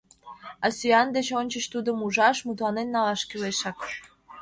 А сӱан деч ончыч тудым ужаш, мутланен налаш кӱлешак.